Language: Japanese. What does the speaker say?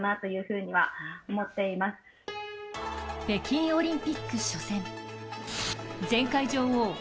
北京オリンピック初戦前回女王